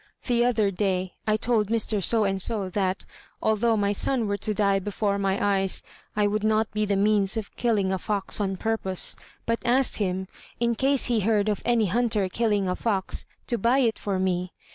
The other day I told Mr. So and so that, although my son were to die before my eyes, I would not be the means of killing a fox on purpose, but asked him, in case he heard of any hunter killing a fox, to buy it for me.